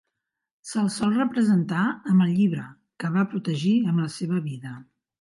Se'l sol representar amb el llibre, que va protegir amb la seva vida.